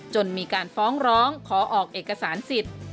จนมีการฟ้องร้องขอออกเอกสารสิทธิ์